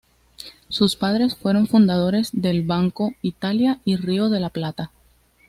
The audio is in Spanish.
Sus padres, fueron fundadores del Banco Italia y Río de la Plata.